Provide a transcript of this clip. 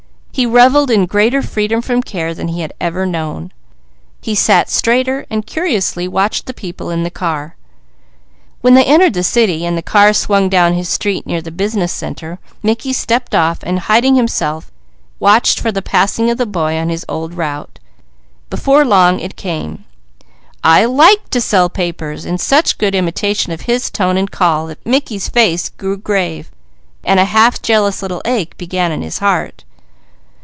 He revelled in greater freedom from care than he ever had known. He sat straighter, and curiously watched the people in the car. When they entered the city and the car swung down his street near the business centre, Mickey stepped off and hiding himself watched for the passing of the boy, on his old route. Before long it came, "I like to sell papers," in such good imitation of his tone and call that Mickey's face grew grave and a half jealous little ache began in his heart.